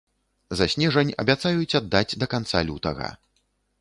За снежань абяцаюць аддаць да канца лютага.